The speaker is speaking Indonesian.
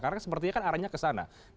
karena sepertinya kan arahnya kesana